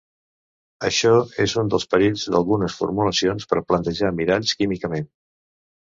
Això és un dels perills d'algunes formulacions per platejar miralls químicament.